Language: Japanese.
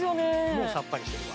もうさっぱりしてるわ。